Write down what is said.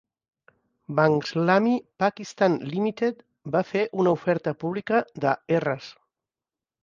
BankIslami Pakistan Limited va fer una oferta pública de Rs.